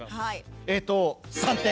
えっと３点！